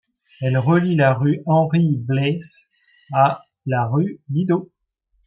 Elle relie la rue Henri Blès à la rue Bidaut.